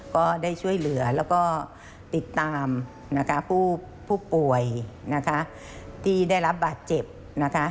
ก็ได้ช่วยเหลือแล้วก็ติดตามนะคะผู้ป่วยนะคะที่ได้รับบาดเจ็บนะคะ